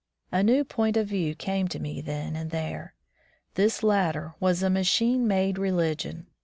A new point of view came to me then and there. This latter was a machine made religion.